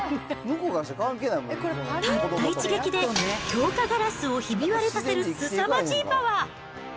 たった一撃で強化ガラスをひび割れさせるすさまじいパワー。